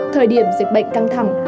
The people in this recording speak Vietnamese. thời điểm dịch bệnh căng thẳng